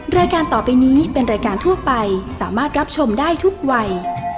รายการต่อไปนี้เป็นรายการทั่วไปสามารถรับชมได้ทุกวัย